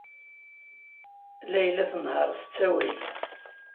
Layla tnehheṛ s ttawil.